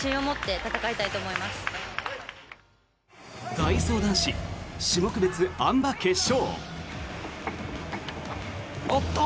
体操男子種目別あん馬決勝。